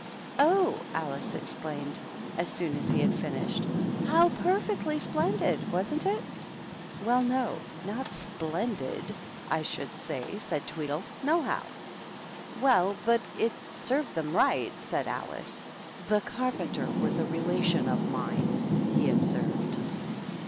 "Oh," Alice exclaimed, as soon as he had finished, " how perfectly splendid, wasn't it ?" "Well, no, not splendid, I should say," said Tweedle. " Nohow." "Well, but it served them right," said Alice. " The Carpenter was a relation of mine," he observed.